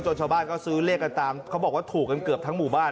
ชาวบ้านก็ซื้อเลขกันตามเขาบอกว่าถูกกันเกือบทั้งหมู่บ้าน